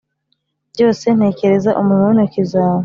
Byose ntekereza umurimo wintoki zawe